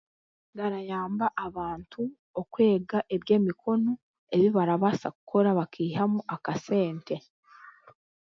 Garayamba abantu okweega eby'emikono ebi barabaasa kukora bakihamu akasente.